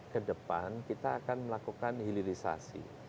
kedepan kita akan melakukan hilirisasi